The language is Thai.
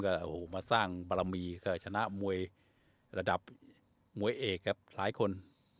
ก็มาสร้างบารมีก็ชนะมวยระดับมวยเอกครับหลายคน